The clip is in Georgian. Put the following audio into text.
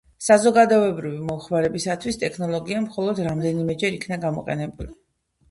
საზოგადოებრივი მოხმარებისათვის ტექნოლოგია მხოლოდ რამდენიმეჯერ იქნა გამოყენებული.